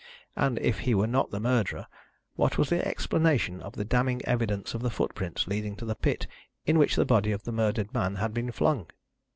And if he were not the murderer what was the explanation of the damning evidence of the footprints leading to the pit in which the body of the murdered man had been flung?